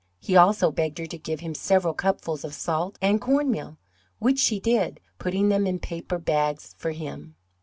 He also begged her to give him several cupfuls of salt and cornmeal, which she did, putting them in paper bags for him.